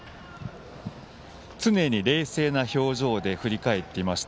常に冷静な表情で振り返っていました。